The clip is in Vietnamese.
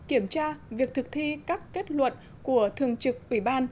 kiểm tra việc thực thi các kết luận của thường trực ủy ban